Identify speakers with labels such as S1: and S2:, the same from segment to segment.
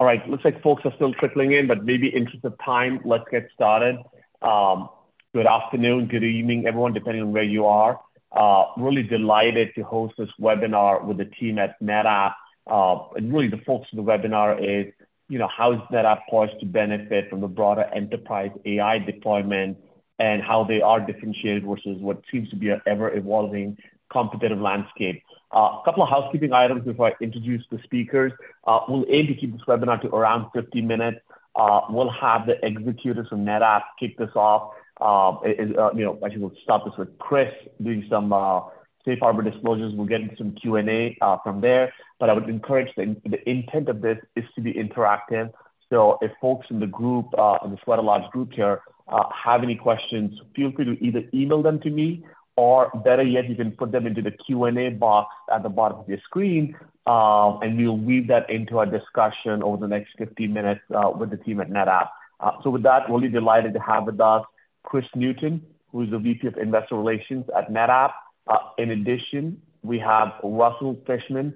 S1: All right, looks like folks are still trickling in, but maybe in interest of time, let's get started. Good afternoon, good evening, everyone, depending on where you are. Really delighted to host this webinar with the team at NetApp. And really, the focus of the webinar is, you know, how is NetApp poised to benefit from the broader enterprise AI deployment and how they are differentiated versus what seems to be an ever-evolving competitive landscape. A couple of housekeeping items before I introduce the speakers. We'll aim to keep this webinar to around 50 minutes. We'll have the executives from NetApp kick this off. And, you know, actually, we'll start this with Kris doing some safe harbor disclosures. We'll get into some Q&A from there. But I would encourage the intent of this is to be interactive. So if folks in the group, and it's quite a large group here, have any questions, feel free to either email them to me, or better yet, you can put them into the Q&A box at the bottom of your screen, and we'll weave that into our discussion over the next 50 minutes, with the team at NetApp. So with that, really delighted to have with us Kris Newton, who's the VP of Investor Relations at NetApp. In addition, we have Russell Fishman,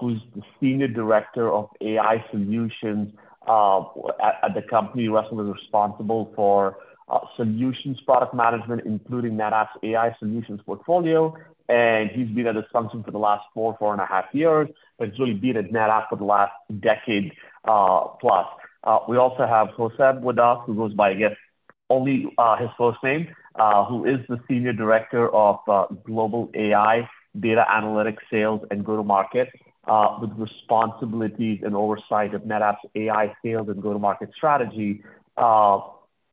S1: who's the Senior Director of AI Solutions, at the company. Russell is responsible for solutions, product management, including NetApp's AI solutions portfolio, and he's been at this function for the last 4.5 years, but he's really been at NetApp for the last decade, plus. We also have Hoseb with us, who goes by, I guess, only his first name, who is the Senior Director of Global AI, Data Analytics, Sales, and Go-to-Market with responsibilities and oversight of NetApp's AI sales and go-to-market strategy.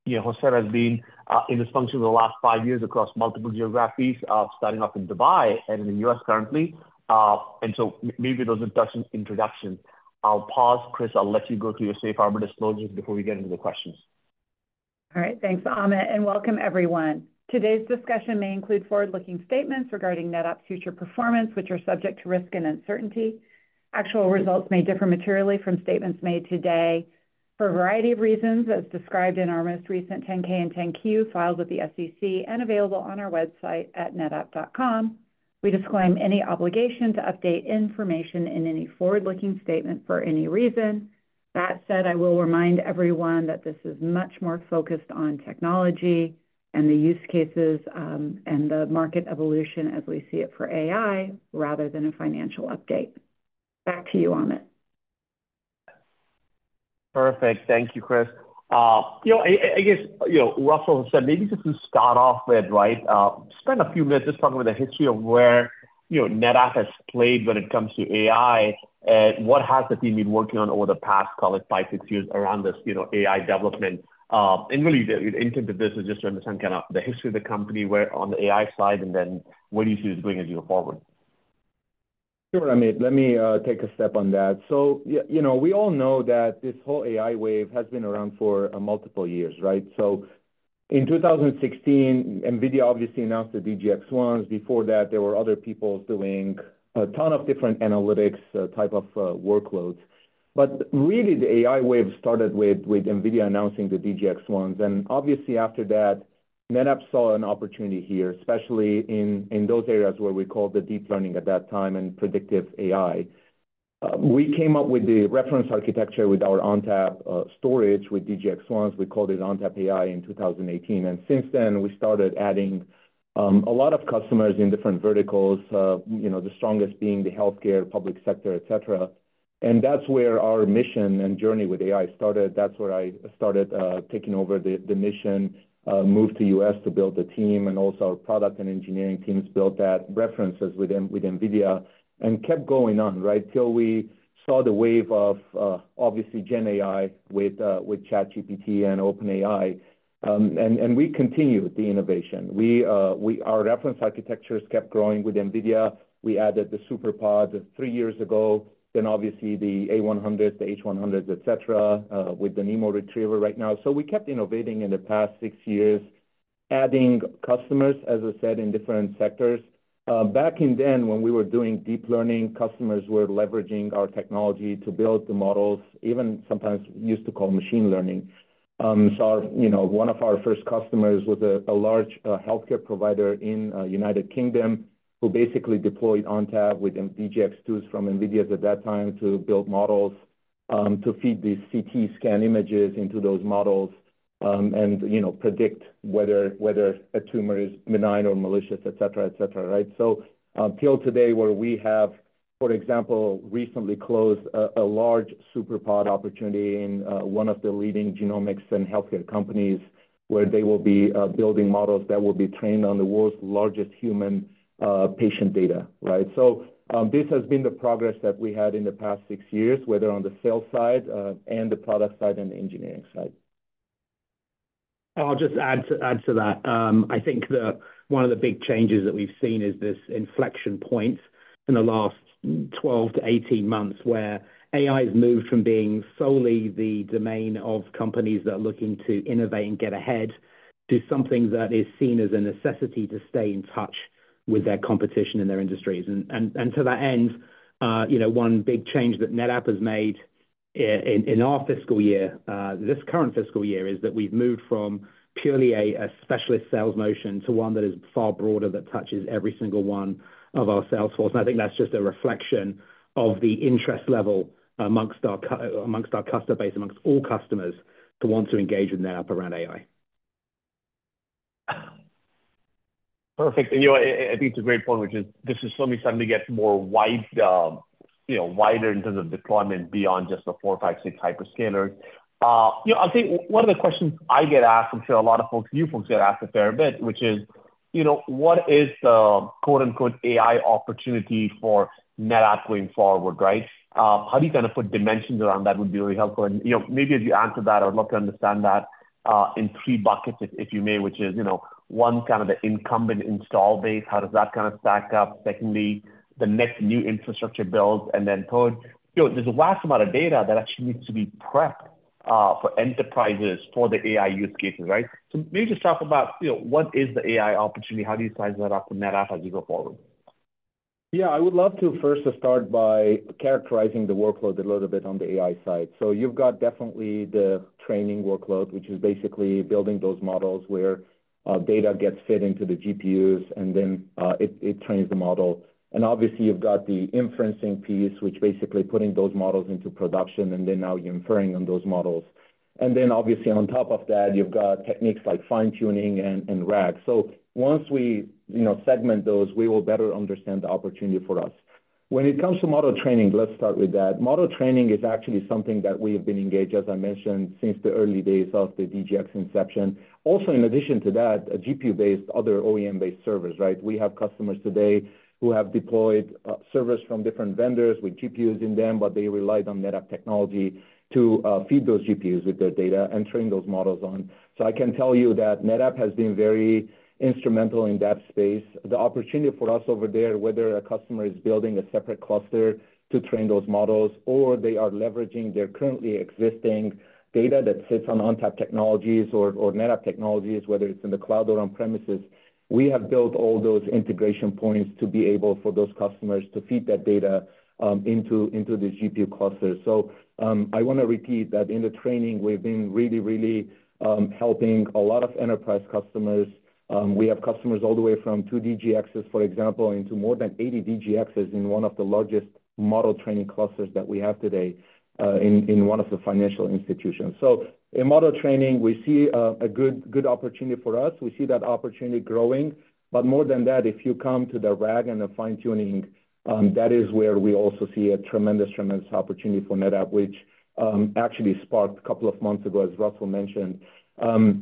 S1: You know, Hoseb has been in this function for the last five years across multiple geographies, starting off in Dubai and in the U.S. currently. And so leave it with those introductions. I'll pause. Kris, I'll let you go through your safe harbor disclosures before we get into the questions.
S2: All right. Thanks, Amit, and welcome everyone. Today's discussion may include forward-looking statements regarding NetApp's future performance, which are subject to risk and uncertainty. Actual results may differ materially from statements made today for a variety of reasons, as described in our most recent 10-K and 10-Q filings with the SEC and available on our website at netapp.com. We disclaim any obligation to update information in any forward-looking statement for any reason. That said, I will remind everyone that this is much more focused on technology and the use cases, and the market evolution as we see it for AI, rather than a financial update. Back to you, Amit.
S1: Perfect. Thank you, Kris. You know, I guess, you know, Russell said, maybe just to start off with, right, spend a few minutes just talking about the history of where, you know, NetApp has played when it comes to AI, and what has the team been working on over the past, call it, 5, 6 years around this, you know, AI development. And really, the intent of this is just to understand kind of the history of the company, where on the AI side, and then what do you see as bringing you forward.
S3: Sure, Amit, let me take a step on that. So you know, we all know that this whole AI wave has been around for multiple years, right? So in 2016, NVIDIA obviously announced the DGX-1. Before that, there were other people doing a ton of different analytics type of workloads. But really, the AI wave started with NVIDIA announcing the DGX-1. And obviously, after that, NetApp saw an opportunity here, especially in those areas where we call the deep learning at that time and predictive AI. We came up with the reference architecture with our ONTAP storage with DGX-1. We called it ONTAP AI in 2018, and since then, we started adding a lot of customers in different verticals, you know, the strongest being the healthcare, public sector, et cetera. And that's where our mission and journey with AI started. That's where I started, taking over the mission, moved to U.S. to build the team, and also our product and engineering teams built that references with NVIDIA and kept going on, right? Till we saw the wave of obviously GenAI with with ChatGPT and OpenAI. And and we continued the innovation. We our reference architectures kept growing with NVIDIA. We added the SuperPODs three years ago, then obviously the A100s, the H100s, et cetera, with the NeMo Retriever right now. So we kept innovating in the past six years, adding customers, as I said, in different sectors. Back then, when we were doing deep learning, customers were leveraging our technology to build the models, even sometimes we used to call machine learning. So, you know, one of our first customers was a large healthcare provider in United Kingdom, who basically deployed ONTAP with DGX-2 from NVIDIA at that time to build models to feed these CT scan images into those models, and, you know, predict whether a tumor is benign or malicious, et cetera, et cetera, right? So, till today, where we have, for example, recently closed a large SuperPOD opportunity in one of the leading genomics and healthcare companies, where they will be building models that will be trained on the world's largest human patient data, right? So, this has been the progress that we had in the past six years, whether on the sales side, and the product side, and the engineering side.
S4: I'll just add to that. I think one of the big changes that we've seen is this inflection point in the last 12-18 months, where AI has moved from being solely the domain of companies that are looking to innovate and get ahead, to something that is seen as a necessity to stay in touch with their competition and their industries. And to that end, you know, one big change that NetApp has made in our fiscal year, this current fiscal year, is that we've moved from purely a specialist sales motion to one that is far broader, that touches every single one of our salesforce. And I think that's just a reflection of the interest level amongst our customer base, amongst all customers, to want to engage with NetApp around AI. Perfect. You know, I think it's a great point, which is this is something starting to get more wide, you know, wider in terms of deployment beyond just the four, five, six hyperscalers. You know, I think one of the questions I get asked, I'm sure a lot of folks, you folks get asked a fair bit, which is, you know, what is the, quote-unquote, "AI opportunity" for NetApp going forward, right? How do you kind of put dimensions around that would be really helpful. You know, maybe as you answer that, I would love to understand that, in three buckets, if you may, which is, you know, one, kind of the incumbent install base, how does that kind of stack up? Secondly, the next new infrastructure builds, and then third, you know, there's a vast amount of data that actually needs to be prepped, for enterprises for the AI use cases, right? So maybe just talk about, you know, what is the AI opportunity? How do you size that up to NetApp as you go forward?
S3: Yeah, I would love to first just start by characterizing the workload a little bit on the AI side. So you've got definitely the training workload, which is basically building those models where data gets fed into the GPUs, and then it trains the model. And obviously, you've got the inferencing piece, which basically putting those models into production, and then now you're inferring on those models. And then obviously, on top of that, you've got techniques like fine-tuning and RAG. So once we, you know, segment those, we will better understand the opportunity for us. When it comes to model training, let's start with that. Model training is actually something that we have been engaged, as I mentioned, since the early days of the DGX inception. Also, in addition to that, a GPU-based, other OEM-based servers, right? We have customers today who have deployed servers from different vendors with GPUs in them, but they relied on NetApp technology to feed those GPUs with their data and train those models on. So I can tell you that NetApp has been very instrumental in that space. The opportunity for us over there, whether a customer is building a separate cluster to train those models or they are leveraging their currently existing data that sits on ONTAP technologies or, or NetApp technologies, whether it's in the cloud or on premises, we have built all those integration points to be able for those customers to feed that data into the GPU clusters. So, I wanna repeat that in the training, we've been really, really helping a lot of enterprise customers. We have customers all the way from 2 DGXs, for example, into more than 80 DGXs in one of the largest model training clusters that we have today, in one of the financial institutions. So in model training, we see a good opportunity for us. We see that opportunity growing, but more than that, if you come to the RAG and the fine-tuning, that is where we also see a tremendous, tremendous opportunity for NetApp, which actually sparked a couple of months ago, as Russell mentioned.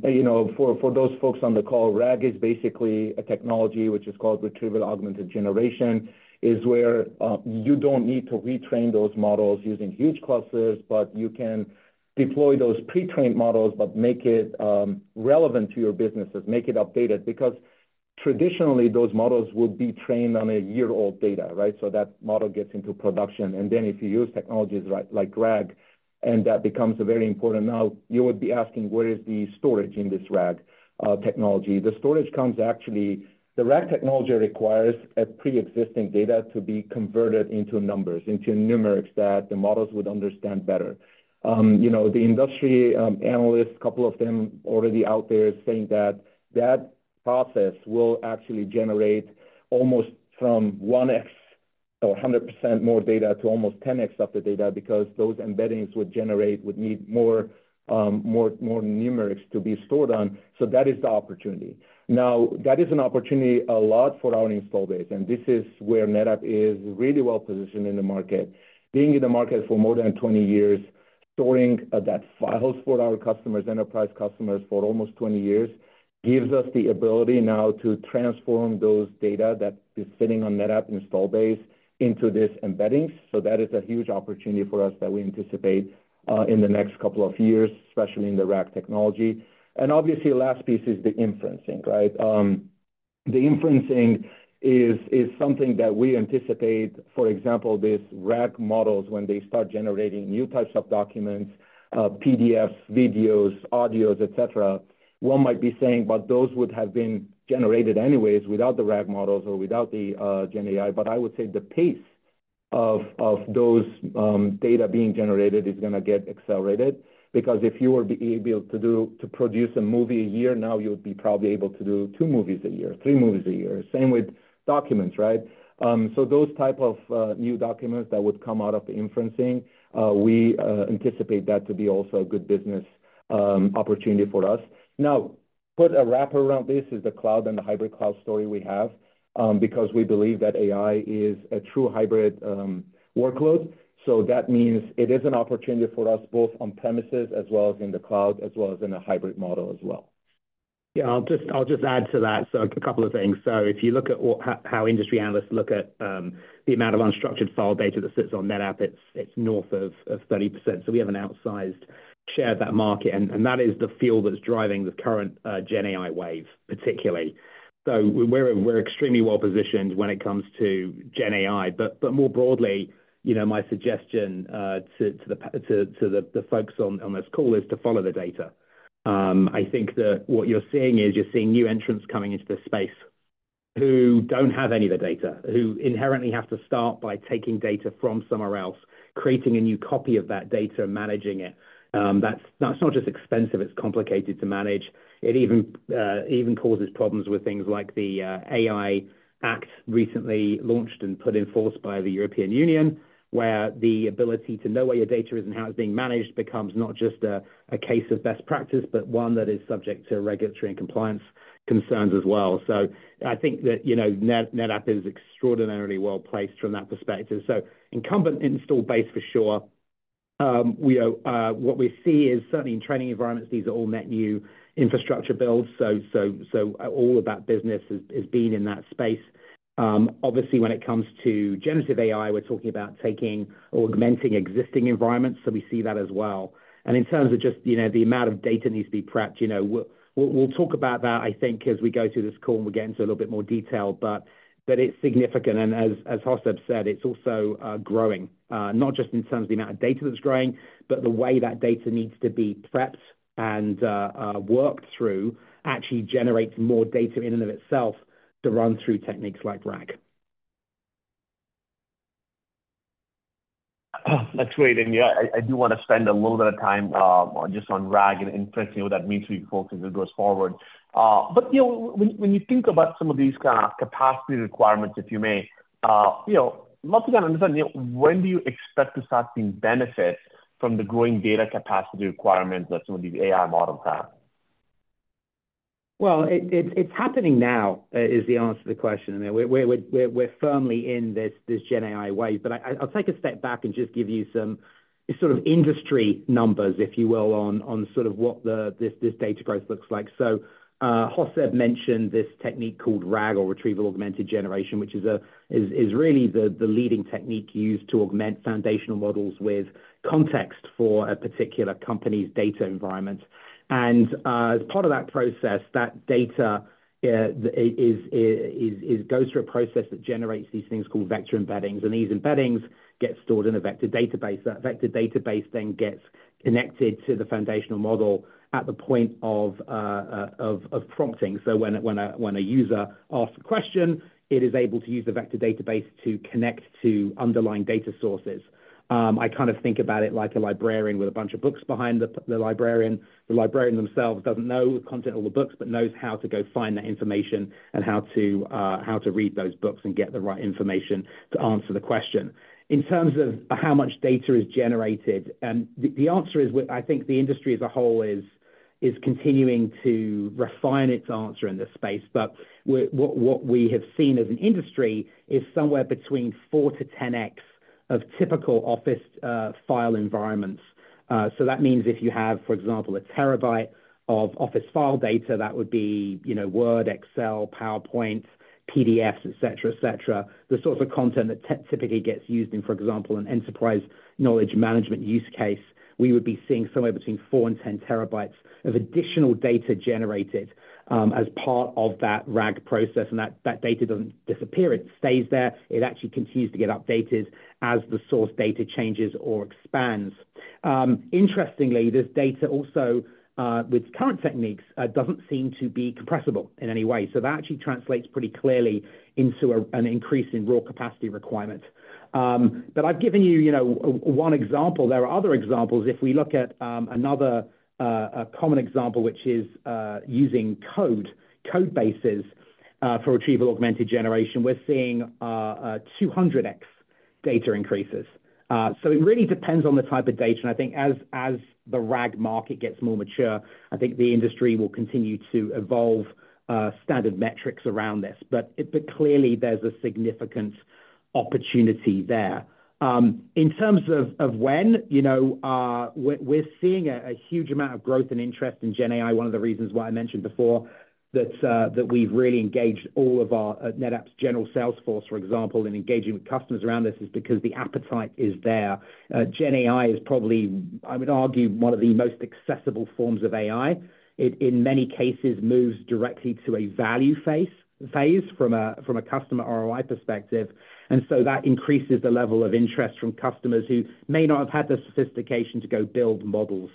S3: You know, for those folks on the call, RAG is basically a technology which is called Retrieval Augmented Generation, is where you don't need to retrain those models using huge clusters, but you can deploy those pre-trained models but make it relevant to your businesses, make it updated. Because traditionally, those models would be trained on a year-old data, right? So that model gets into production, and then if you use technologies like, like RAG, and that becomes very important. Now, you would be asking, where is the storage in this RAG technology? The storage comes actually. The RAG technology requires a pre-existing data to be converted into numbers, into numerics, that the models would understand better. You know, the industry, analysts, a couple of them already out there saying that that process will actually generate almost from 1x or 100% more data to almost 10x of the data, because those embeddings would generate, would need more, more, more numerics to be stored on. So that is the opportunity. Now, that is an opportunity a lot for our install base, and this is where NetApp is really well-positioned in the market. Being in the market for more than 20 years, storing that files for our customers, enterprise customers, for almost 20 years, gives us the ability now to transform those data that is sitting on NetApp install base into this embeddings. So that is a huge opportunity for us that we anticipate in the next couple of years, especially in the RAG technology. And obviously, the last piece is the inferencing, right? The inferencing is something that we anticipate, for example, these RAG models, when they start generating new types of documents, PDFs, videos, audios, et cetera. One might be saying, but those would have been generated anyways without the RAG models or without the GenAI. But I would say the pace of those data being generated is gonna get accelerated. Because if you were to be able to produce a movie a year, now you would be probably able to do two movies a year, three movies a year. Same with documents, right? So those type of new documents that would come out of the inferencing we anticipate that to be also a good business opportunity for us. Now, put a wrap around this is the cloud and the hybrid cloud story we have, because we believe that AI is a true hybrid workload. So that means it is an opportunity for us both on premises as well as in the cloud, as well as in a hybrid model as well.
S4: Yeah, I'll just add to that. So a couple of things. So if you look at how industry analysts look at the amount of unstructured file data that sits on NetApp, it's north of 30%. So we have an outsized share of that market, and that is the field that's driving the current GenAI wave, particularly. So we're extremely well-positioned when it comes to GenAI. But more broadly, you know, my suggestion to the folks on this call is to follow the data. I think that what you're seeing is new entrants coming into this space who don't have any of the data, who inherently have to start by taking data from somewhere else, creating a new copy of that data, managing it. That's, that's not just expensive, it's complicated to manage. It even causes problems with things like the AI Act recently launched and put in force by the European Union, where the ability to know where your data is and how it's being managed becomes not just a case of best practice, but one that is subject to regulatory and compliance concerns as well. So I think that, you know, NetApp is extraordinarily well-placed from that perspective. So incumbent install base, for sure. What we see is certainly in training environments, these are all net new infrastructure builds. So, so, so all of that business is being in that space. Obviously, when it comes to generative AI, we're talking about taking or augmenting existing environments, so we see that as well. In terms of just, you know, the amount of data needs to be prepped, you know, we'll talk about that, I think, as we go through this call, and we'll get into a little bit more detail, but it's significant. As Hossab said, it's also growing, not just in terms of the amount of data that's growing, but the way that data needs to be prepped and worked through, actually generates more data in and of itself to run through techniques like RAG.
S1: That's great. And, yeah, I do want to spend a little bit of time just on RAG and inferencing, what that means for you folks as it goes forward. But, you know, when you think about some of these kind of capacity requirements, if you may, you know, mostly to understand, you know, when do you expect to start seeing benefits from the growing data capacity requirements that some of these AI models have?
S4: Well, it's happening now is the answer to the question. I mean, we're firmly in this gen AI wave, but I'll take a step back and just give you some sort of industry numbers, if you will, on sort of what this data growth looks like. So, Hoseb mentioned this technique called RAG, or Retrieval Augmented Generation, which is really the leading technique used to augment foundational models with context for a particular company's data environment. And, as part of that process, that data goes through a process that generates these things called vector embeddings, and these embeddings get stored in a vector database. That vector database then gets connected to the foundational model at the point of prompting. So when a user asks a question, it is able to use the vector database to connect to underlying data sources. I kind of think about it like a librarian with a bunch of books behind the librarian. The librarian themselves doesn't know the content of all the books, but knows how to go find that information and how to read those books and get the right information to answer the question. In terms of how much data is generated, the answer is, I think the industry as a whole is continuing to refine its answer in this space. But what we have seen as an industry is somewhere between 4-10x of typical office file environments. So that means if you have, for example, 1 TB of office file data, that would be, you know, Word, Excel, PowerPoint, PDFs, et cetera, et cetera. The sort of content that typically gets used in, for example, an enterprise knowledge management use case, we would be seeing somewhere between 4-10 TB of additional data generated, as part of that RAG process, and that, that data doesn't disappear. It stays there. It actually continues to get updated as the source data changes or expands. Interestingly, this data also, with current techniques, doesn't seem to be compressible in any way. So that actually translates pretty clearly into an increase in raw capacity requirements. But I've given you, you know, one example. There are other examples. If we look at another common example, which is using code bases for retrieval augmented generation, we're seeing 200x data increases. So it really depends on the type of data, and I think as the RAG market gets more mature, I think the industry will continue to evolve standard metrics around this. But clearly there's a significant opportunity there. In terms of when, you know, we're seeing a huge amount of growth and interest in gen AI. One of the reasons why I mentioned before that we've really engaged all of our NetApp's general sales force, for example, in engaging with customers around this, is because the appetite is there. Gen AI is probably, I would argue, one of the most accessible forms of AI. It, in many cases, moves directly to a value phase from a customer ROI perspective, and so that increases the level of interest from customers who may not have had the sophistication to go build models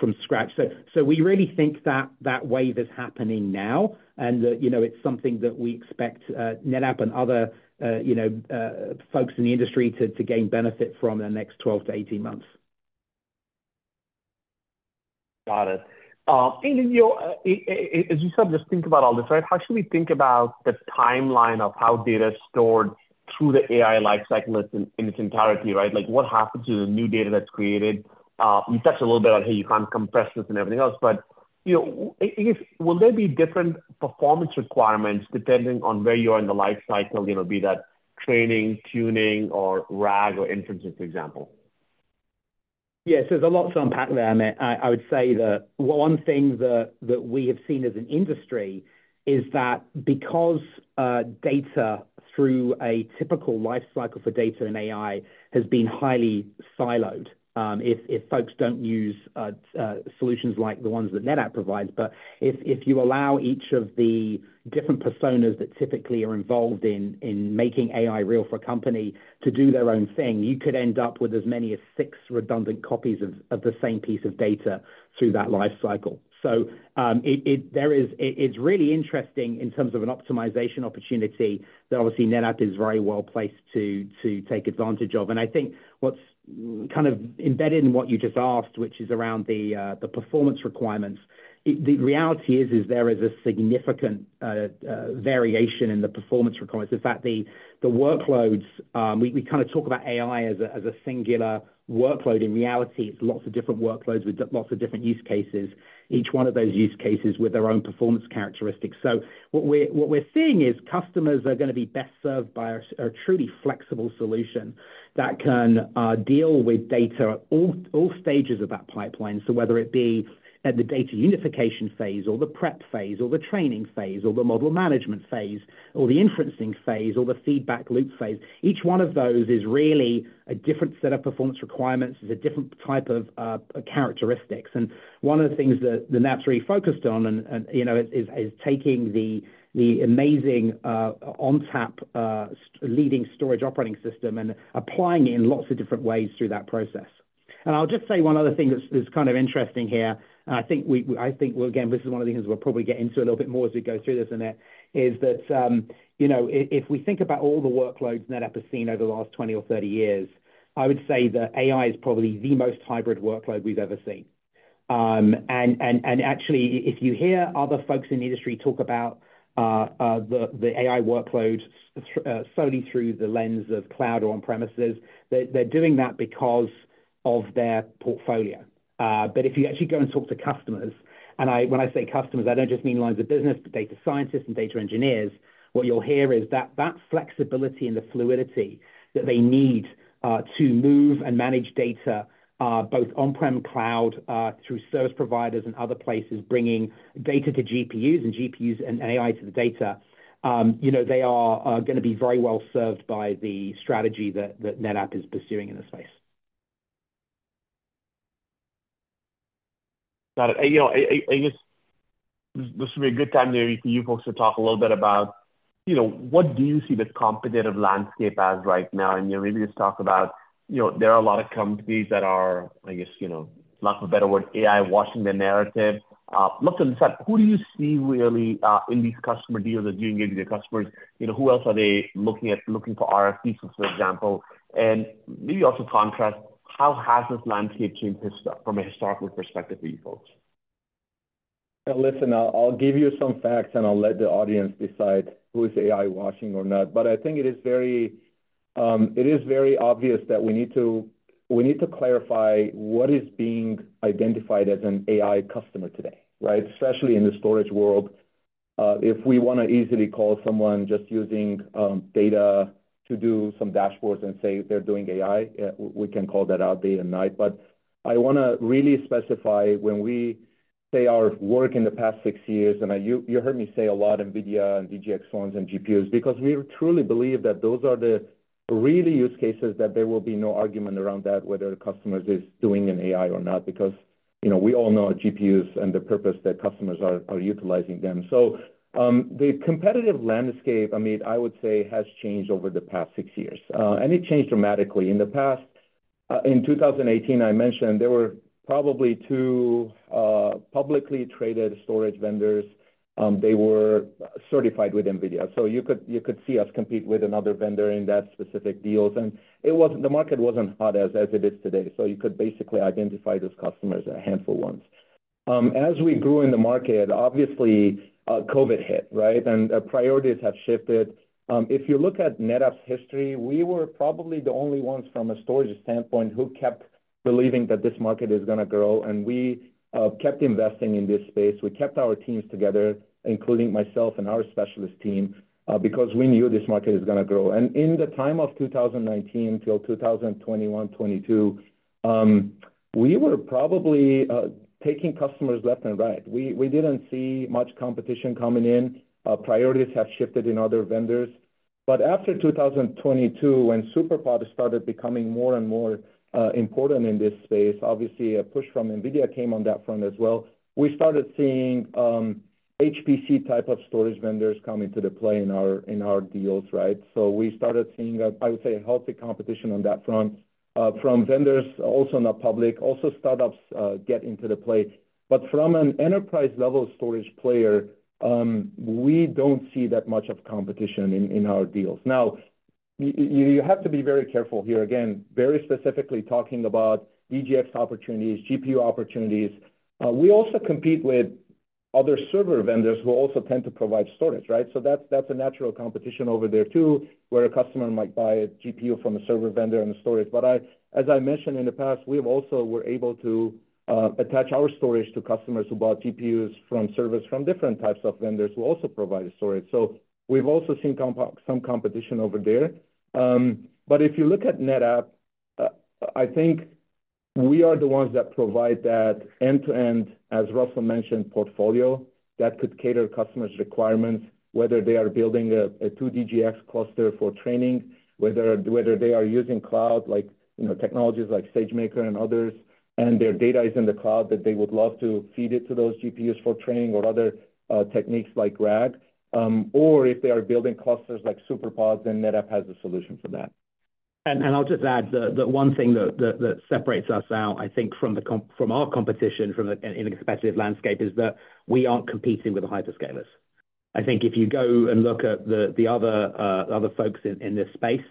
S4: from scratch. So we really think that wave is happening now, and, you know, it's something that we expect NetApp and other, you know, folks in the industry to gain benefit from in the next 12-18 months.
S1: Got it. You know, as you start to think about all this, right, how should we think about the timeline of how data is stored through the AI life cycle in its entirety, right? Like, what happens to the new data that's created? You touched a little bit on, hey, you can't compress this and everything else, but, you know, Will there be different performance requirements depending on where you are in the life cycle, you know, be that training, tuning, or RAG or inferencing, for example?
S4: Yes, there's a lot to unpack there, Amit. I would say that one thing that we have seen as an industry is that because data through a typical life cycle for data and AI has been highly siloed, if folks don't use solutions like the ones that NetApp provides, but if you allow each of the different personas that typically are involved in making AI real for a company to do their own thing, you could end up with as many as six redundant copies of the same piece of data through that life cycle. So, there is. It's really interesting in terms of an optimization opportunity that obviously NetApp is very well placed to take advantage of. I think what's kind of embedded in what you just asked, which is around the performance requirements, the reality is, there is a significant variation in the performance requirements. In fact, the workloads we kind of talk about AI as a singular workload. In reality, it's lots of different workloads with lots of different use cases, each one of those use cases with their own performance characteristics. So what we're seeing is customers are gonna be best served by a truly flexible solution that can deal with data at all stages of that pipeline. So whether it be at the data unification phase or the prep phase, or the training phase, or the model management phase, or the inferencing phase, or the feedback loop phase, each one of those is really a different set of performance requirements, is a different type of characteristics. And one of the things that NetApp's really focused on and, you know, is taking the amazing ONTAP leading storage operating system and applying it in lots of different ways through that process. And I'll just say one other thing that's kind of interesting here, and I think we, I think, well, again, this is one of the things we'll probably get into a little bit more as we go through this, Amit, is that, you know, if we think about all the workloads NetApp has seen over the last 20 or 30 years, I would say that AI is probably the most hybrid workload we've ever seen. And, actually, if you hear other folks in the industry talk about the AI workload solely through the lens of cloud or on-premises, they're doing that because of their portfolio. But if you actually go and talk to customers, and I—when I say customers, I don't just mean lines of business, but data scientists and data engineers, what you'll hear is that that flexibility and the fluidity that they need, to move and manage data, both on-prem cloud, through service providers and other places, bringing data to GPUs and GPUs and AI to the data, you know, they are, are gonna be very well served by the strategy that, that NetApp is pursuing in this space.
S1: Got it. You know, I guess this would be a good time for you folks to talk a little bit about, you know, what do you see the competitive landscape as right now? And, you know, maybe just talk about, you know, there are a lot of companies that are, I guess, you know, lack of a better word, AI-washing their narrative. In fact, who do you see really in these customer deals that you engage with your customers, you know, who else are they looking at, looking for RFPs, for example? And maybe also contrast, how has this landscape changed from a historical perspective for you folks?
S3: Listen, I'll, I'll give you some facts, and I'll let the audience decide who is AI-washing or not. But I think it is very, it is very obvious that we need to, we need to clarify what is being identified as an AI customer today, right? Especially in the storage world. If we want to easily call someone just using data to do some dashboards and say they're doing AI, we can call that out day and night. But I want to really specify when we say our work in the past six years, and I you heard me say a lot NVIDIA and DGX pods and GPUs, because we truly believe that those are the really use cases, that there will be no argument around that, whether the customers is doing an AI or not, because, you know, we all know GPUs and the purpose that customers are utilizing them. So, the competitive landscape, I mean, I would say, has changed over the past six years. And it changed dramatically. In the past, in 2018, I mentioned there were probably two publicly traded storage vendors. They were certified with NVIDIA. So you could see us compete with another vendor in that specific deals, and it was the market wasn't hot as it is today. So you could basically identify those customers as a handful ones. As we grew in the market, obviously, COVID hit, right? And priorities have shifted. If you look at NetApp's history, we were probably the only ones from a storage standpoint who kept believing that this market is gonna grow, and we kept investing in this space. We kept our teams together, including myself and our specialist team, because we knew this market is gonna grow. And in the time of 2019 till 2021, 2022, we were probably taking customers left and right. We didn't see much competition coming in. Priorities have shifted in other vendors. But after 2022, when SuperPOD started becoming more and more important in this space, obviously, a push from NVIDIA came on that front as well. We started seeing HPC type of storage vendors come into the play in our deals, right? So we started seeing, I would say, a healthy competition on that front from vendors, also not public, also startups get into the play. But from an enterprise-level storage player, we don't see that much of competition in our deals. Now, you have to be very careful here. Again, very specifically talking about DGX opportunities, GPU opportunities. We also compete with other server vendors who also tend to provide storage, right? So that's a natural competition over there, too, where a customer might buy a GPU from a server vendor and a storage. But I as I mentioned in the past, we've also were able to attach our storage to customers who bought GPUs from servers, from different types of vendors who also provide a storage. So we've also seen some competition over there. But if you look at NetApp, I think we are the ones that provide that end-to-end, as Russell mentioned, portfolio, that could cater customers' requirements, whether they are building a two DGX cluster for training, whether they are using cloud, like, you know, technologies like SageMaker and others, and their data is in the cloud, that they would love to feed it to those GPUs for training or other techniques like RAG. Or if they are building clusters like Superpods, then NetApp has a solution for that.
S4: I'll just add the one thing that separates us out, I think from our competition in a competitive landscape, is that we aren't competing with the hyperscalers. I think if you go and look at the other folks in this space,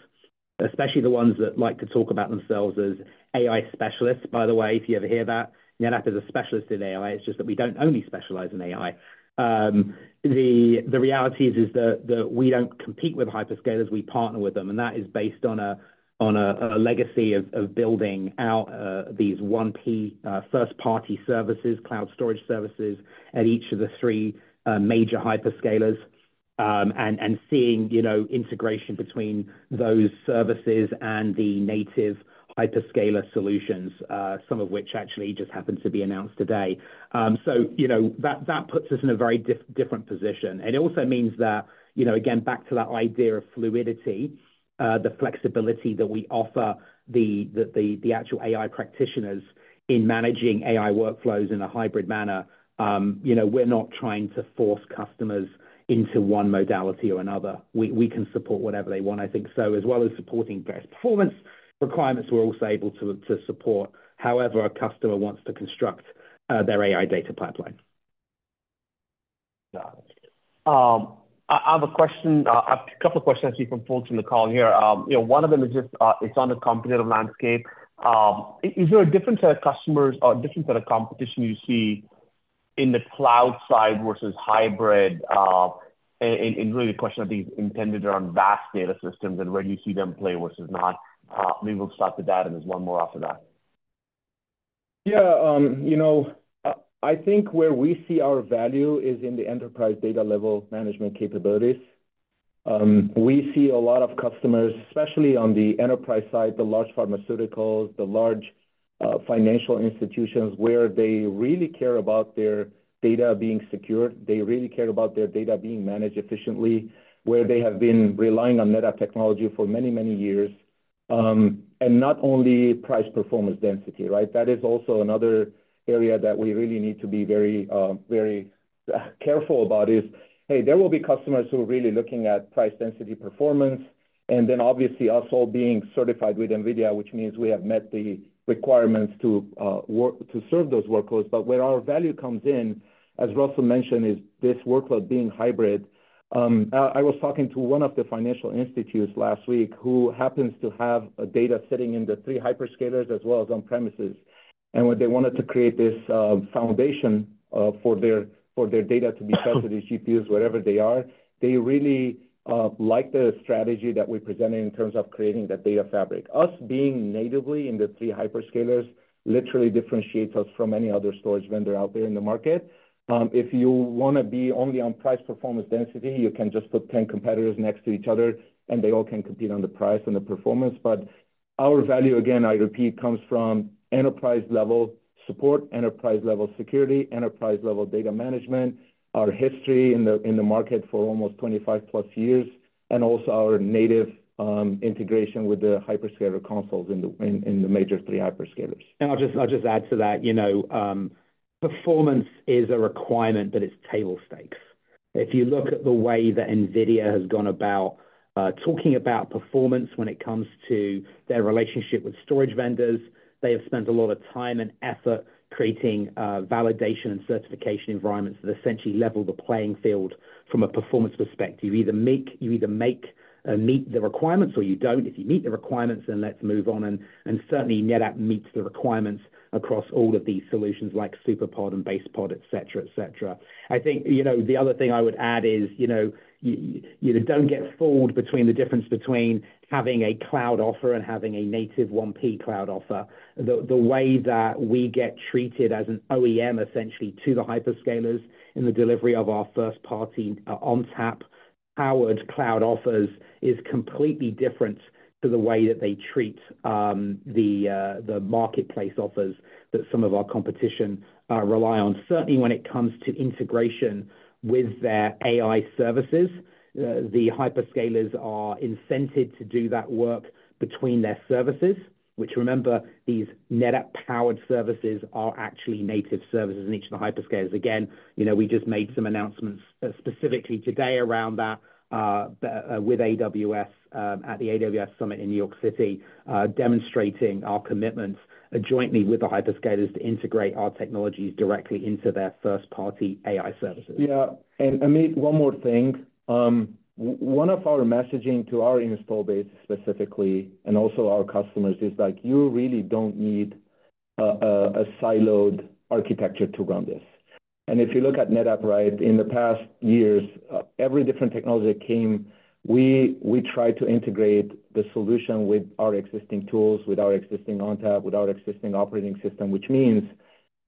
S4: especially the ones that like to talk about themselves as AI specialists, by the way, if you ever hear that, NetApp is a specialist in AI. It's just that we don't only specialize in AI. The reality is that we don't compete with hyperscalers, we partner with them, and that is based on a legacy of building out these 1P first-party services, cloud storage services at each of the three major hyperscalers. And seeing, you know, integration between those services and the native hyperscaler solutions, some of which actually just happened to be announced today. So, you know, that puts us in a very different position. And it also means that, you know, again, back to that idea of fluidity, the flexibility that we offer the actual AI practitioners in managing AI workflows in a hybrid manner, you know, we're not trying to force customers into one modality or another. We can support whatever they want, I think. So as well as supporting best performance requirements, we're also able to support however a customer wants to construct their AI data pipeline.
S1: Got it. I have a question, a couple of questions actually from folks in the call here. You know, one of them is just, it's on the competitive landscape. Is there a different set of customers or a different set of competition you see in the cloud side versus hybrid? And, really, the question, I think, is intended around VAST Data systems and where do you see them play versus not. Maybe we'll start with that, and there's one more after that.
S3: Yeah, you know, I think where we see our value is in the enterprise data level management capabilities. We see a lot of customers, especially on the enterprise side, the large pharmaceuticals, the large, financial institutions, where they really care about their data being secured. They really care about their data being managed efficiently, where they have been relying on NetApp technology for many, many years, and not only price performance density, right? That is also another area that we really need to be very, very, careful about is, hey, there will be customers who are really looking at price density performance, and then obviously us all being certified with NVIDIA, which means we have met the requirements to, work- to serve those workloads. But where our value comes in, as Russell mentioned, is this workload being hybrid. I was talking to one of the financial institutions last week who happens to have their data sitting in the three hyperscalers as well as on premises. When they wanted to create this foundation for their data to be served to these GPUs wherever they are, they really like the strategy that we presented in terms of creating that data fabric. Our being natively in the three hyperscalers literally differentiates us from any other storage vendor out there in the market. If you wanna be only on price performance density, you can just put 10 competitors next to each other, and they all can compete on the price and the performance. But our value, again, I repeat, comes from enterprise-level support, enterprise-level security, enterprise-level data management, our history in the market for almost 25+ years, and also our native integration with the hyperscaler consoles in the major three hyperscalers.
S4: I'll just, I'll just add to that. You know, performance is a requirement, but it's table stakes. If you look at the way that NVIDIA has gone about talking about performance when it comes to their relationship with storage vendors, they have spent a lot of time and effort creating validation and certification environments that essentially level the playing field from a performance perspective. You either make, you either make meet the requirements or you don't. If you meet the requirements, then let's move on, and certainly NetApp meets the requirements across all of these solutions, like SuperPOD and BasePOD, et cetera, et cetera. I think, you know, the other thing I would add is, you know, you don't get fooled between the difference between having a cloud offer and having a native 1P cloud offer. The way that we get treated as an OEM, essentially, to the hyperscalers in the delivery of our first-party ONTAP-powered cloud offers is completely different to the way that they treat the marketplace offers that some of our competition rely on. Certainly, when it comes to integration with their AI services, the hyperscalers are incented to do that work between their services, which, remember, these NetApp-powered services are actually native services in each of the hyperscalers. Again, you know, we just made some announcements specifically today around that with AWS at the AWS summit in New York City demonstrating our commitments jointly with the hyperscalers to integrate our technologies directly into their first-party AI services.
S3: Yeah, and Amit, one more thing. One of our messaging to our install base specifically, and also our customers, is, like, you really don't need a siloed architecture to run this. And if you look at NetApp, right, in the past years, every different technology that came, we try to integrate the solution with our existing tools, with our existing ONTAP, with our existing operating system, which means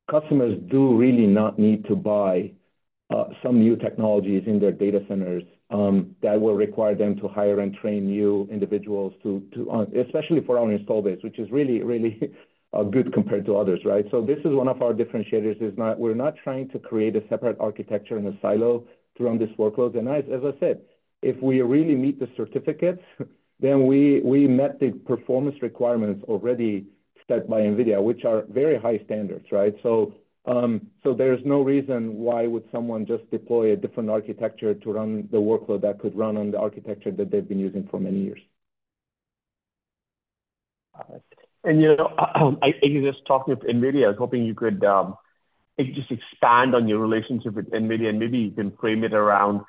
S3: customers do really not need to buy some new technologies in their data centers that will require them to hire and train new individuals to on... Especially for our install base, which is really, really good compared to others, right? So this is one of our differentiators, is not- we're not trying to create a separate architecture in a silo to run this workloads. As I said, if we really meet the certifications, then we met the performance requirements already set by NVIDIA, which are very high standards, right? So, so there's no reason why would someone just deploy a different architecture to run the workload that could run on the architecture that they've been using for many years.
S1: You know, I was just talking with NVIDIA. I was hoping you could just expand on your relationship with NVIDIA, and maybe you can frame it around,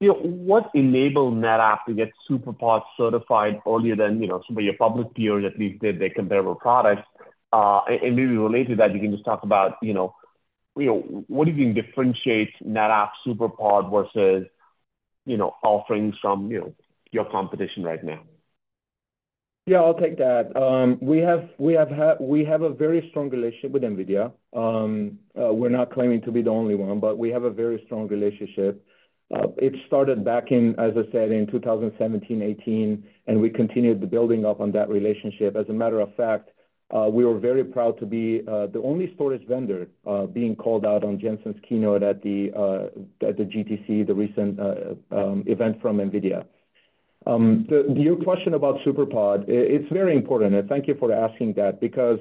S1: you know, what enabled NetApp to get SuperPOD certified earlier than, you know, some of your public peers, at least their comparable products? And maybe related to that, you can just talk about, you know, you know, what do you think differentiates NetApp SuperPOD versus, you know, offerings from, you know, your competition right now?
S3: Yeah, I'll take that. We have a very strong relationship with NVIDIA. We're not claiming to be the only one, but we have a very strong relationship. It started back in, as I said, in 2017, 2018, and we continued the building up on that relationship. As a matter of fact, we were very proud to be the only storage vendor being called out on Jensen's keynote at the GTC, the recent event from NVIDIA. Your question about SuperPOD, it's very important, and thank you for asking that, because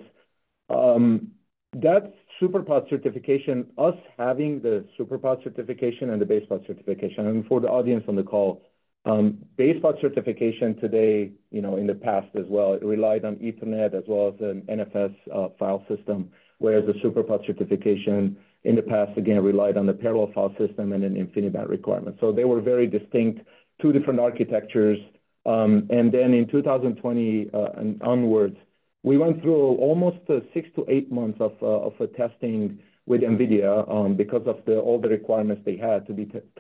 S3: that SuperPOD certification, us having the SuperPOD certification and the BasePOD certification, and for the audience on the call, BasePOD certification today, you know, in the past as well, it relied on Ethernet as well as an NFS file system, whereas the SuperPOD certification in the past, again, relied on the parallel file system and an InfiniBand requirement. So they were very distinct, two different architectures. And then in 2020 and onwards, we went through almost 6-8 months of testing with NVIDIA, because of all the requirements they had to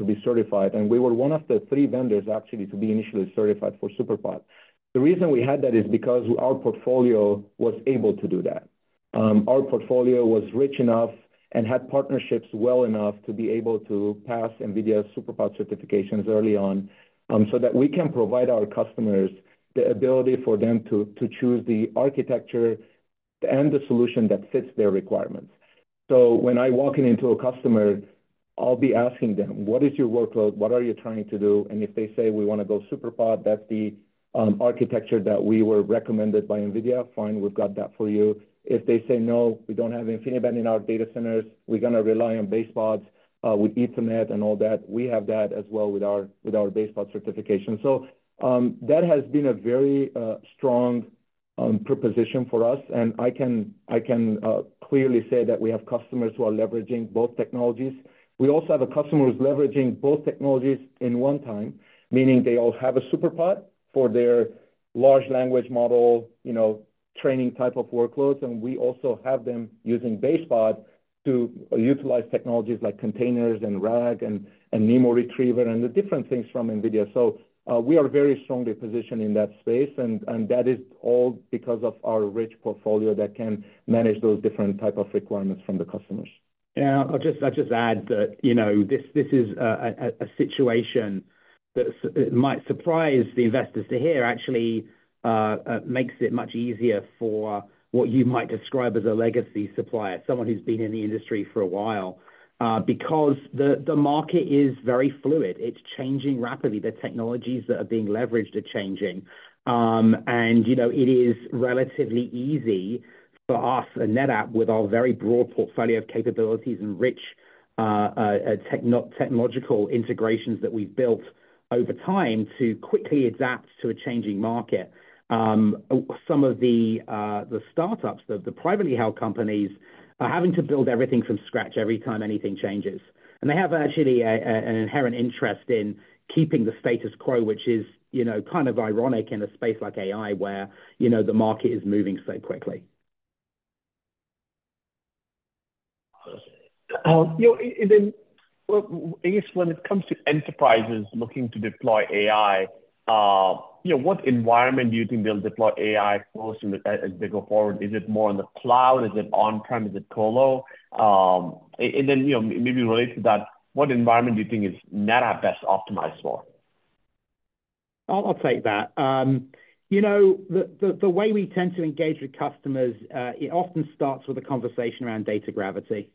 S3: be certified. And we were one of the three vendors actually, to be initially certified for SuperPOD. The reason we had that is because our portfolio was able to do that. Our portfolio was rich enough and had partnerships well enough to be able to pass NVIDIA's SuperPOD certifications early on, so that we can provide our customers the ability for them to choose the architecture and the solution that fits their requirements. So when I walk into a customer, I'll be asking them: "What is your workload? What are you trying to do?" And if they say, "We want to go SuperPOD, that's the architecture that we were recommended by NVIDIA." "Fine, we've got that for you." If they say, "No, we don't have InfiniBand in our data centers, we're gonna rely on BasePODs with Ethernet and all that," we have that as well with our BasePOD certification. So, that has been a very strong proposition for us, and I can clearly say that we have customers who are leveraging both technologies. We also have a customer who's leveraging both technologies in one time, meaning they all have a SuperPOD for their large language model, you know, training type of workloads, and we also have them using BasePOD to utilize technologies like containers and RAG and NeMo Retriever and the different things from NVIDIA. So, we are very strongly positioned in that space, and that is all because of our rich portfolio that can manage those different type of requirements from the customers.
S4: Yeah, I'll just add that, you know, this is a situation that might surprise the investors to hear actually makes it much easier for what you might describe as a legacy supplier, someone who's been in the industry for a while. Because the market is very fluid, it's changing rapidly. The technologies that are being leveraged are changing. And, you know, it is relatively easy for us at NetApp, with our very broad portfolio of capabilities and rich technological integrations that we've built over time, to quickly adapt to a changing market. Some of the startups, the privately held companies, are having to build everything from scratch every time anything changes. They have actually an inherent interest in keeping the status quo, which is, you know, kind of ironic in a space like AI, where, you know, the market is moving so quickly.
S1: You know, and then, well, I guess when it comes to enterprises looking to deploy AI, you know, what environment do you think they'll deploy AI for as they go forward? Is it more on the cloud? Is it on-prem, is it colo? And then, you know, maybe related to that, what environment do you think is NetApp best optimized for?
S4: I'll take that. You know, the way we tend to engage with customers, it often starts with a conversation around data gravity.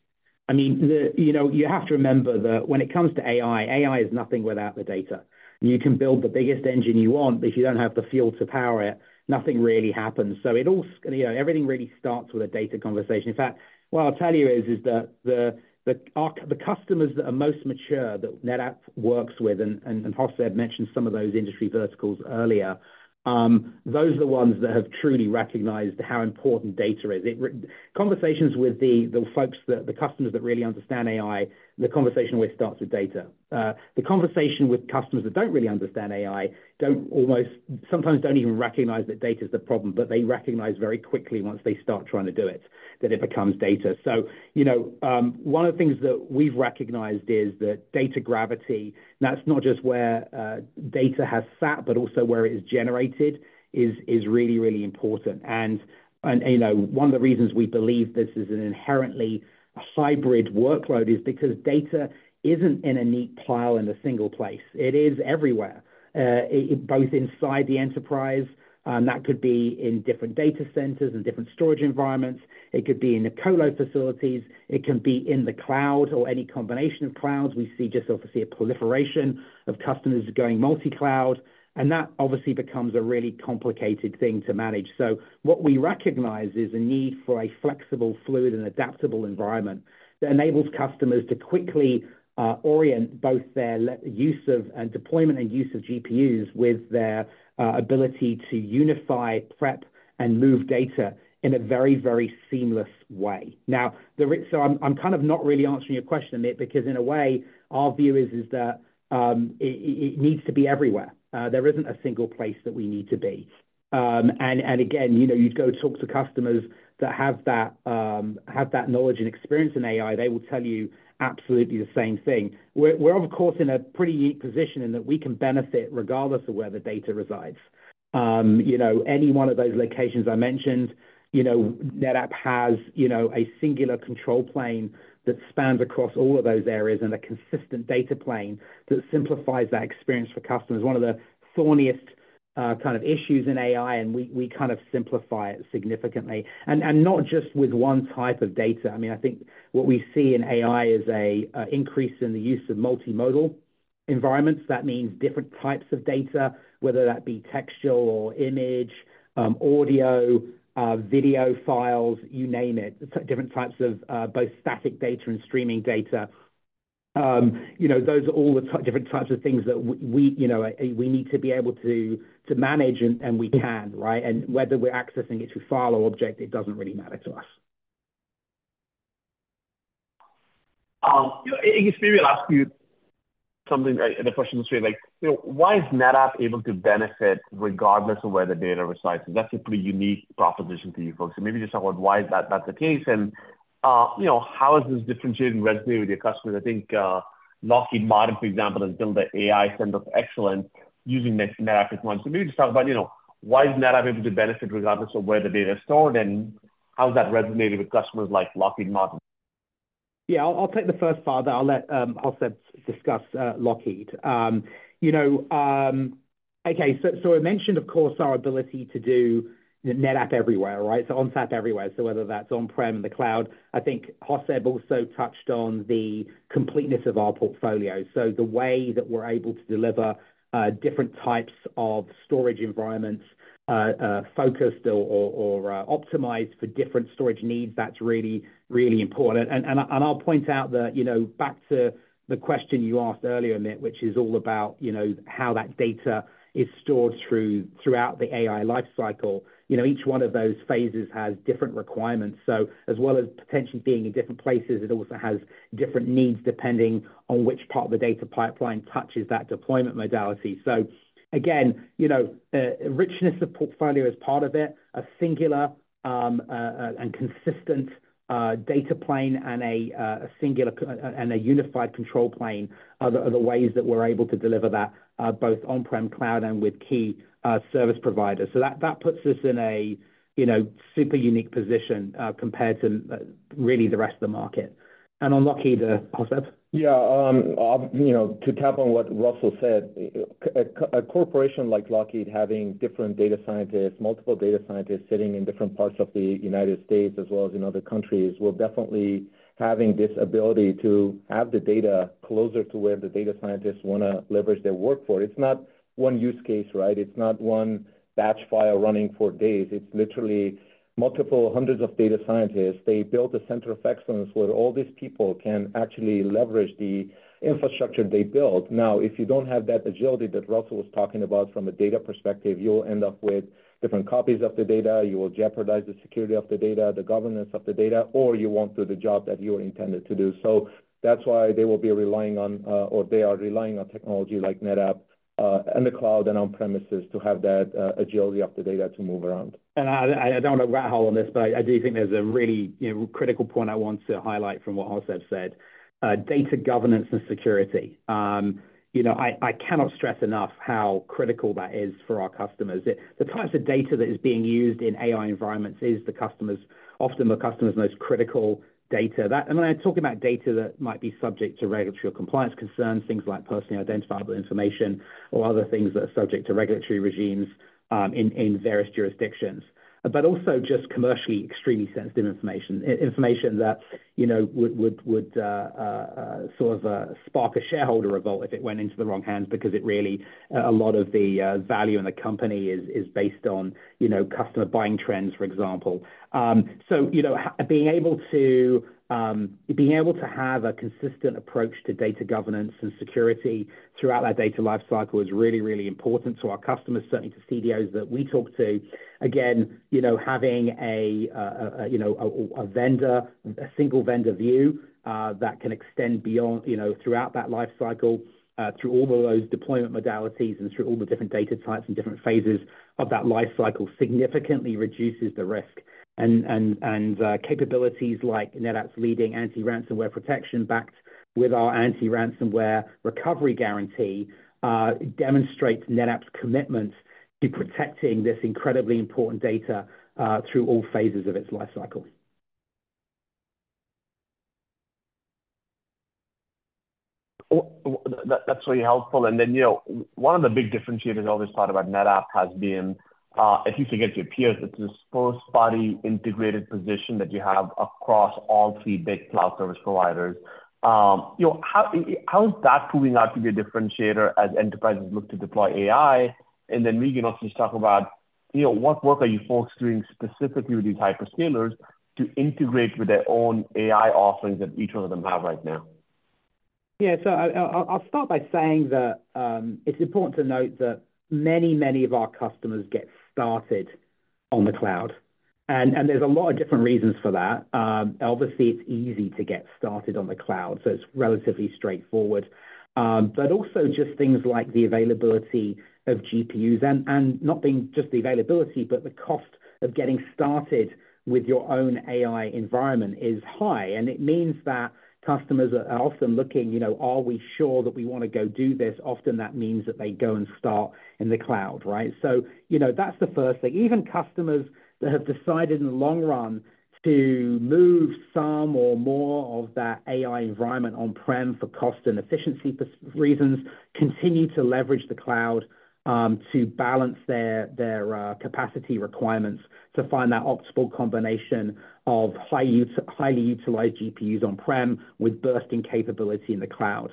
S4: I mean, the... You know, you have to remember that when it comes to AI, AI is nothing without the data. You can build the biggest engine you want, but if you don't have the fuel to power it, nothing really happens. So it all, you know, everything really starts with a data conversation. In fact, what I'll tell you is that the customers that are most mature, that NetApp works with, and Hoss had mentioned some of those industry verticals earlier, those are the ones that have truly recognized how important data is. In conversations with the folks, the customers that really understand AI, the conversation always starts with data. The conversation with customers that don't really understand AI, don't almost—sometimes don't even recognize that data is the problem, but they recognize very quickly once they start trying to do it, that it becomes data. So, you know, one of the things that we've recognized is that data gravity, that's not just where data has sat, but also where it is generated, is, is really, really important. And, and, you know, one of the reasons we believe this is an inherently a hybrid workload is because data isn't in a neat pile in a single place. It is everywhere, both inside the enterprise, that could be in different data centers and different storage environments. It could be in the colo facilities, it can be in the cloud or any combination of clouds. We see just obviously, a proliferation of customers going multi-cloud, and that obviously becomes a really complicated thing to manage. So what we recognize is a need for a flexible, fluid, and adaptable environment, that enables customers to quickly, orient both their use of, and deployment and use of GPUs with their, ability to unify, prep, and move data in a very, very seamless way. Now, So I'm kind of not really answering your question, Amit, because in a way, our view is, is that, it needs to be everywhere. There isn't a single place that we need to be. And again, you know, you go talk to customers that have that, have that knowledge and experience in AI, they will tell you absolutely the same thing. We're of course, in a pretty unique position in that we can benefit regardless of where the data resides. You know, any one of those locations I mentioned, you know, NetApp has, you know, a singular control plane that spans across all of those areas, and a consistent data plane that simplifies that experience for customers. One of the kind of issues in AI, and we kind of simplify it significantly, and not just with one type of data. I mean, I think what we see in AI is a increase in the use of multimodal environments. That means different types of data, whether that be textual or image, audio, video files, you name it. Different types of both static data and streaming data. You know, those are all the different types of things that we, you know, we need to be able to manage, and we can, right? Whether we're accessing it through file or object, it doesn't really matter to us.
S1: Maybe I'll ask you something, and the question was really like, you know, why is NetApp able to benefit regardless of where the data resides? Because that's a pretty unique proposition for you folks. So maybe just talk about why is that, that's the case, and, you know, how is this differentiating, resonating with your customers? I think, Lockheed Martin, for example, has built an AI center of excellence using NetApp. So maybe just talk about, you know, why is NetApp able to benefit regardless of where the data is stored, and how has that resonated with customers like Lockheed Martin?
S4: Yeah, I'll take the first part, then I'll let Hossab discuss Lockheed. You know, okay, so I mentioned, of course, our ability to do NetApp everywhere, right? So ONTAP everywhere. So whether that's on-prem, the cloud, I think Hossab also touched on the completeness of our portfolio. So the way that we're able to deliver different types of storage environments, focused or optimized for different storage needs, that's really, really important. And I'll point out that, you know, back to the question you asked earlier, Amit, which is all about, you know, how that data is stored throughout the AI life cycle. You know, each one of those phases has different requirements. So as well as potentially being in different places, it also has different needs, depending on which part of the data pipeline touches that deployment modality. So again, you know, richness of portfolio is part of it. A singular and consistent data plane and a singular and a unified control plane are the ways that we're able to deliver that, both on-prem, cloud and with key service providers. So that puts us in a, you know, super unique position, compared to really the rest of the market. And on Lockheed, Hossab?
S3: Yeah, you know, to tap on what Russell said, a corporation like Lockheed, having different data scientists, multiple data scientists sitting in different parts of the United States as well as in other countries, will definitely having this ability to have the data closer to where the data scientists wanna leverage their workforce. It's not one use case, right? It's not one batch file running for days. It's literally multiple hundreds of data scientists. They built a center of excellence where all these people can actually leverage the infrastructure they built. Now, if you don't have that agility that Russell was talking about from a data perspective, you'll end up with different copies of the data, you will jeopardize the security of the data, the governance of the data, or you won't do the job that you are intended to do. So that's why they will be relying on, or they are relying on technology like NetApp, in the cloud and on-premises, to have that agility of the data to move around.
S4: I don't want to rabbit hole on this, but I do think there's a really, you know, critical point I want to highlight from what Hossab said: data governance and security. You know, I cannot stress enough how critical that is for our customers. The types of data that is being used in AI environments is the customer's—often the customer's most critical data. That—and when I talk about data that might be subject to regulatory or compliance concerns, things like personally identifiable information or other things that are subject to regulatory regimes, in various jurisdictions, but also just commercially extremely sensitive information. Information that, you know, would sort of spark a shareholder revolt if it went into the wrong hands, because it really a lot of the value in the company is based on, you know, customer buying trends, for example. So, you know, being able to have a consistent approach to data governance and security throughout that data life cycle is really, really important to our customers, certainly to CDOs that we talk to. Again, you know, having a single vendor view that can extend beyond, you know, throughout that life cycle through all of those deployment modalities and through all the different data types and different phases of that life cycle, significantly reduces the risk. Capabilities like NetApp's leading anti-ransomware protection, backed with our anti-Ransomware Recovery Guarantee, demonstrates NetApp's commitment to protecting this incredibly important data through all phases of its life cycle.
S1: Oh, that, that's really helpful. And then, you know, one of the big differentiators I always thought about NetApp has been, if you compare to your peers, it's this first-party integrated position that you have across all three big cloud service providers. You know, how, how is that proving out to be a differentiator as enterprises look to deploy AI? And then we can also just talk about, you know, what work are you folks doing specifically with these hyperscalers to integrate with their own AI offerings that each one of them have right now?
S4: Yeah. So I'll start by saying that, it's important to note that many, many of our customers get started on the cloud, and there's a lot of different reasons for that. Obviously, it's easy to get started on the cloud, so it's relatively straightforward. But also just things like the availability of GPUs, and not being just the availability, but the cost of getting started with your own AI environment is high. And it means that customers are often looking, you know, are we sure that we wanna go do this? Often, that means that they go and start in the cloud, right? So, you know, that's the first thing. Even customers that have decided in the long run to move some or more of their AI environment on-prem for cost and efficiency reasons continue to leverage the cloud to balance their capacity requirements, to find that optimal combination of highly utilized GPUs on-prem with bursting capability in the cloud.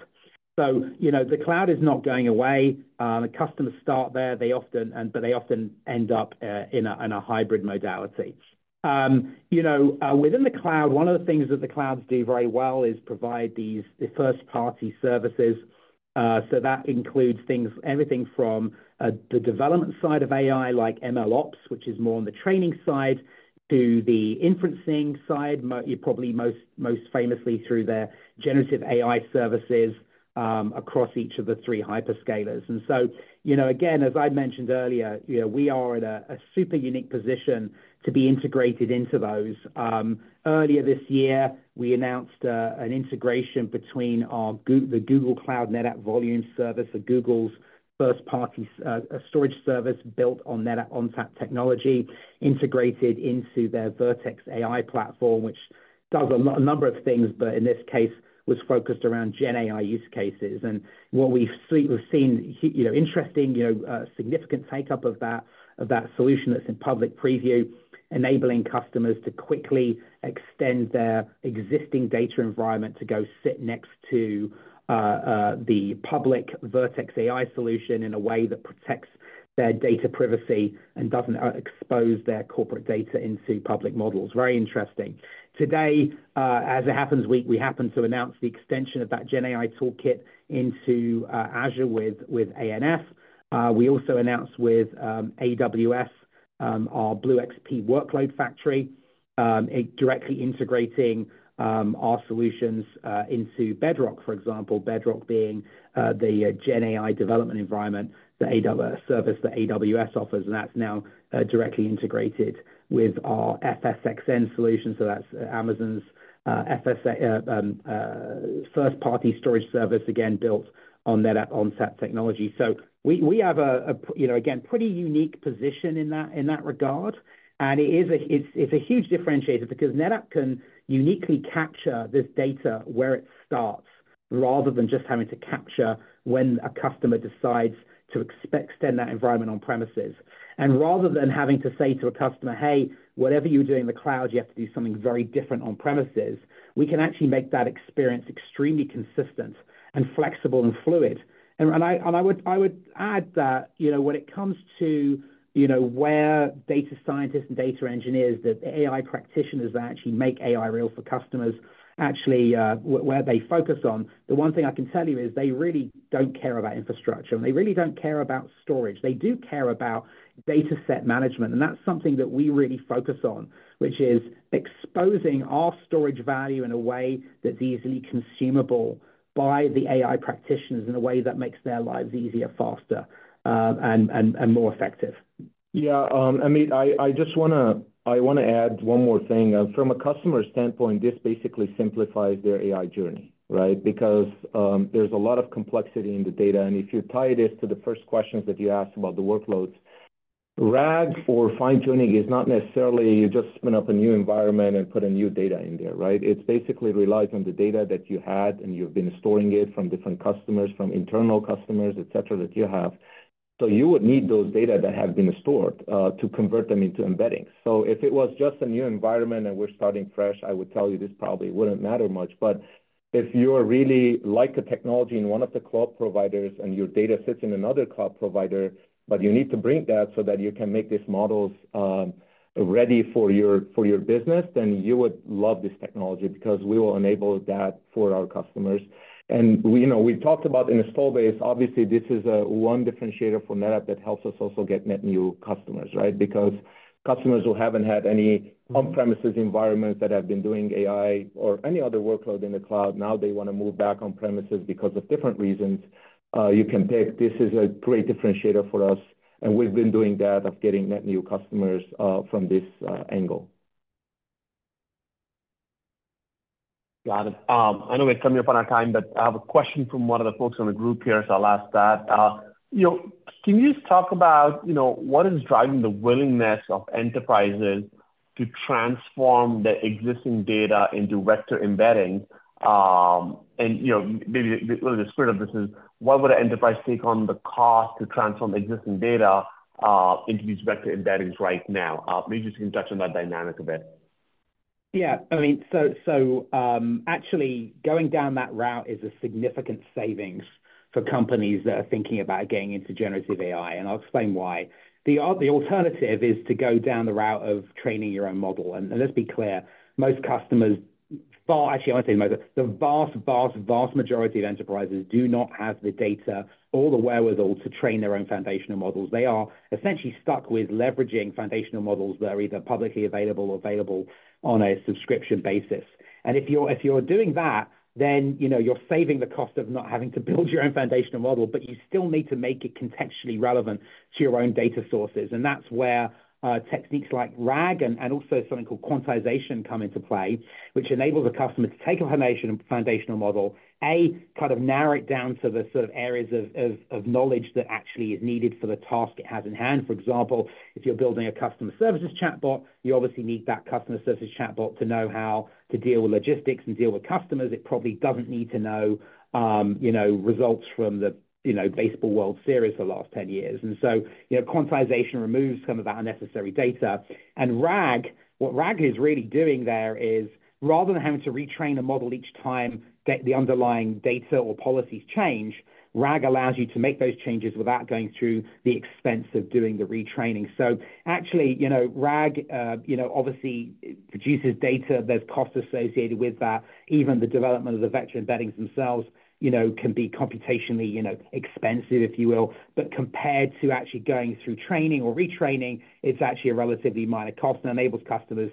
S4: So, you know, the cloud is not going away. The customers start there; they often end up in a hybrid modality. You know, within the cloud, one of the things that the clouds do very well is provide these first-party services. So that includes things, everything from the development side of AI, like MLOps, which is more on the training side, to the inferencing side, probably most famously through their generative AI services, across each of the three hyperscalers. And so, you know, again, as I mentioned earlier, you know, we are at a super unique position to be integrated into those. Earlier this year, we announced an integration between the Google Cloud NetApp Volumes service, so Google's first-party storage service built on NetApp ONTAP technology, integrated into their Vertex AI platform, which does a number of things, but in this case, was focused around GenAI use cases. And what we've seen, you know, interesting, you know, significant take-up of that, of that solution that's in public preview, enabling customers to quickly extend their existing data environment to go sit next to the public Vertex AI solution in a way that protects their data privacy and doesn't expose their corporate data into public models. Very interesting. Today, as it happens, we happen to announce the extension of that GenAI Toolkit into Azure with ANF. We also announced with AWS our BlueXP Workload Factory, it directly integrating our solutions into Bedrock, for example. Bedrock being the GenAI development environment, the AWS service that AWS offers, and that's now directly integrated with our FSxN solution. So that's Amazon's FSx first-party storage service, again, built on NetApp ONTAP technology. So we have a, you know, again, pretty unique position in that regard, and it is a. It's a huge differentiator because NetApp can uniquely capture this data where it starts, rather than just having to capture when a customer decides to extend that environment on premises. And rather than having to say to a customer, "Hey, whatever you're doing in the cloud, you have to do something very different on premises," we can actually make that experience extremely consistent and flexible and fluid. I would add that, you know, when it comes to, you know, where data scientists and data engineers, the AI practitioners that actually make AI real for customers, actually, where they focus on, the one thing I can tell you is they really don't care about infrastructure, and they really don't care about storage. They do care about data set management, and that's something that we really focus on, which is exposing our storage value in a way that's easily consumable by the AI practitioners in a way that makes their lives easier, faster, and more effective.
S3: Yeah, I mean, I just wanna add one more thing. From a customer standpoint, this basically simplifies their AI journey, right? Because, there's a lot of complexity in the data, and if you tie this to the first questions that you asked about the workloads, RAG or fine-tuning is not necessarily you just spin up a new environment and put a new data in there, right? It's basically relies on the data that you had, and you've been storing it from different customers, from internal customers, et cetera, that you have. So you would need those data that have been stored, to convert them into embeddings. So if it was just a new environment and we're starting fresh, I would tell you this probably wouldn't matter much. If you're really like the technology in one of the cloud providers and your data sits in another cloud provider, but you need to bring that so that you can make these models ready for your business, then you would love this technology because we will enable that for our customers. We know, we've talked about installed base. Obviously, this is one differentiator for NetApp that helps us also get net new customers, right? Because customers who haven't had any on-premises environments that have been doing AI or any other workload in the cloud, now they wanna move back on-premises because of different reasons. You can take this as a great differentiator for us, and we've been doing that, of getting net new customers from this angle.
S1: Got it. I know we're coming up on our time, but I have a question from one of the folks on the group here, so I'll ask that. You know, can you talk about, you know, what is driving the willingness of enterprises to transform their existing data into vector embedding? And, you know, maybe a little bit of the spirit of this is, why would an enterprise take on the cost to transform existing data into these vector embeddings right now? Maybe just touch on that dynamic a bit.
S3: Yeah. I mean, so, actually, going down that route is a significant savings for companies that are thinking about getting into generative AI, and I'll explain why. The alternative is to go down the route of training your own model. And let's be clear, most customers, actually, I won't say most. The vast, vast, vast majority of enterprises do not have the data or the wherewithal to train their own foundational models. They are essentially stuck with leveraging foundational models that are either publicly available or available on a subscription basis. If you're, if you're doing that, then, you know, you're saving the cost of not having to build your own foundational model, but you still need to make it contextually relevant to your own data sources. And that's where techniques like RAG and also something called quantization come into play, which enables a customer to take information and foundational model kind of narrow it down to the sort of areas of knowledge that actually is needed for the task it has in hand. For example, if you're building a customer services chatbot, you obviously need that customer services chatbot to know how to deal with logistics and deal with customers. It probably doesn't need to know, you know, results from the, you know, baseball World Series for the last 10 years. And so, you know, quantization removes some of that unnecessary data. RAG, what RAG is really doing there is, rather than having to retrain a model each time, get the underlying data or policies change, RAG allows you to make those changes without going through the expense of doing the retraining. So actually, you know, RAG, you know, obviously produces data. There's costs associated with that. Even the development of the vector embeddings themselves, you know, can be computationally, you know, expensive, if you will. But compared to actually going through training or retraining, it's actually a relatively minor cost and enables customers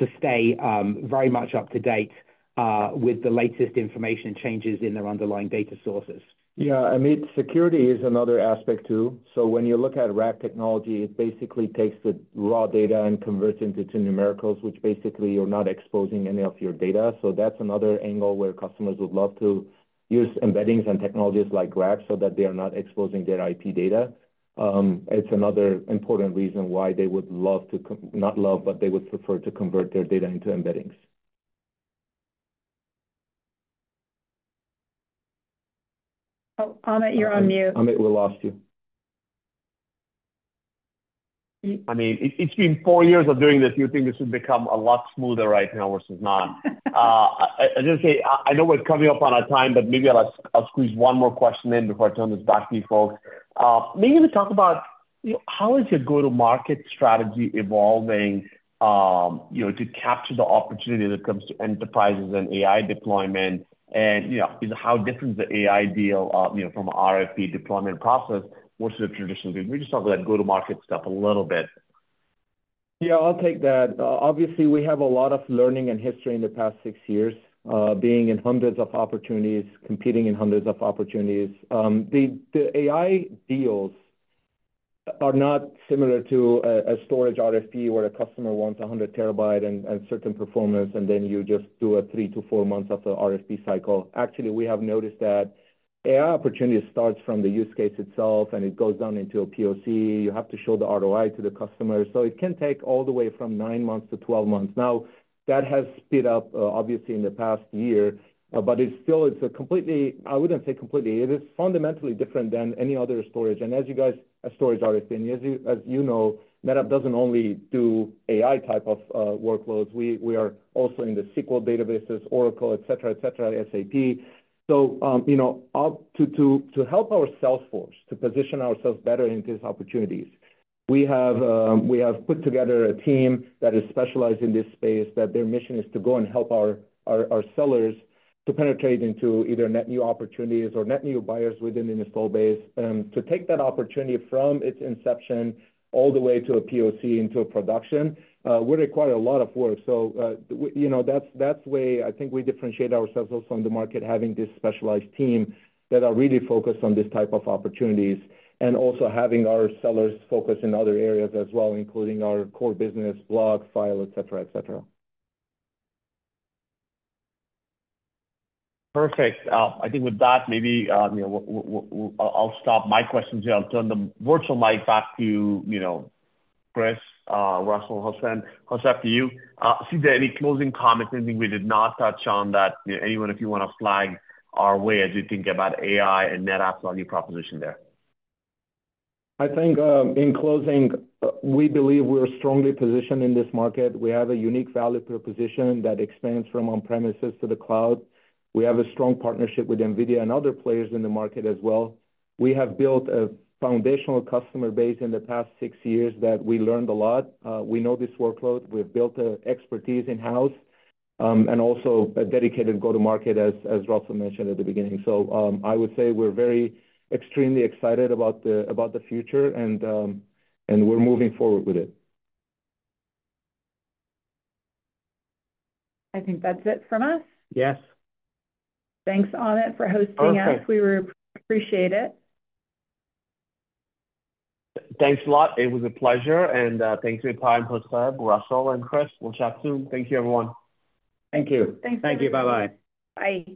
S3: to stay very much up to date with the latest information changes in their underlying data sources. Yeah, Amit, security is another aspect too. So when you look at RAG technology, it basically takes the raw data and converts into to numericals, which basically you're not exposing any of your data. So that's another angle where customers would love to use embeddings and technologies like RAG, so that they are not exposing their IP data. It's another important reason why they would love to, not love, but they would prefer to convert their data into embeddings.
S2: Oh, Amit, you're on mute.
S4: Amit, we lost you.
S1: I mean, it's been four years of doing this. You think this would become a lot smoother right now, which is not. I just say, I know we're coming up on our time, but maybe I'll ask. I'll squeeze one more question in before I turn this back to you folks. Maybe we talk about, you know, how is your go-to-market strategy evolving, you know, to capture the opportunity that comes to enterprises and AI deployment, and, you know, how different is the AI deal, you know, from RFP deployment process versus the traditional deal? We just talk about go-to-market stuff a little bit.
S3: Yeah, I'll take that. Obviously, we have a lot of learning and history in the past 6 years, being in hundreds of opportunities, competing in hundreds of opportunities. The AI deals are not similar to a storage RFP, where a customer wants 100 TB and certain performance, and then you just do 3-4 months of the RFP cycle. Actually, we have noticed that AI opportunity starts from the use case itself, and it goes down into a POC. You have to show the ROI to the customer, so it can take all the way from 9-12 months. Now, that has sped up, obviously in the past year, but it's still. It's a completely. I wouldn't say completely, it is fundamentally different than any other storage. And as you guys a storage RFP, and as you know, NetApp doesn't only do AI type of workloads. We are also in the SQL databases, Oracle, et cetera, SAP. So, you know, to help our sales force to position ourselves better in these opportunities, we have put together a team that is specialized in this space, that their mission is to go and help our sellers to penetrate into either net new opportunities or net new buyers within an install base. To take that opportunity from its inception all the way to a POC into a production would require a lot of work. You know, that's where I think we differentiate ourselves also on the market, having this specialized team that are really focused on this type of opportunities, and also having our sellers focus in other areas as well, including our core business, block, file, et cetera, et cetera.
S1: Perfect. I think with that, maybe, you know, I'll stop my questions here. I'll turn the virtual mic back to, you know, Kris, Russell, Hoseb, Hoseb to you, see if there are any closing comments, anything we did not touch on that anyone, if you want to flag our way as you think about AI and NetApp's value proposition there.
S3: I think, in closing, we believe we're strongly positioned in this market. We have a unique value proposition that expands from on-premises to the cloud. We have a strong partnership with NVIDIA and other players in the market as well. We have built a foundational customer base in the past six years that we learned a lot. We know this workload. We've built an expertise in-house, and also a dedicated go-to-market as Russell mentioned at the beginning. So, I would say we're very extremely excited about the future, and we're moving forward with it.
S2: I think that's it from us.
S4: Yes.
S2: Thanks, Amit, for hosting us.
S1: Okay.
S2: We really appreciate it.
S1: Thanks a lot. It was a pleasure, and thanks for your time, Hoseb, Russell, and Kris. We'll chat soon. Thank you, everyone.
S3: Thank you.
S2: Thank you.
S4: Thank you. Bye-bye.
S2: Bye.